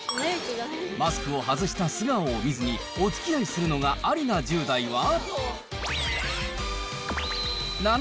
マスクを外した素顔を見ずにおつきあいするのがありな１０代は、７１％。